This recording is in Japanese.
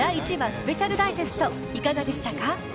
スペシャルダイジェストいかがでしたか？